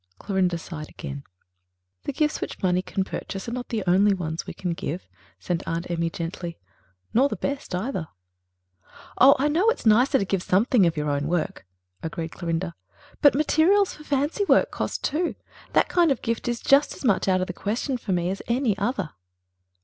Clorinda sighed again. "The gifts which money can purchase are not the only ones we can give," said Aunt Emmy gently, "nor the best, either." "Oh, I know it's nicer to give something of your own work," agreed Clorinda, "but materials for fancy work cost too. That kind of gift is just as much out of the question for me as any other."